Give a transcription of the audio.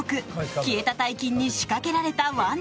消えた大金に仕掛けられた罠。